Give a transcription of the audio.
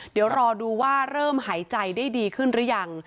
เดี๋ยวรอดูว่าเริ่มหายใจได้ดีขึ้นหรือยัง